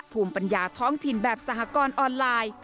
ภูมิปัญญาท้องถิ่นแบบสหกรณ์ออนไลน์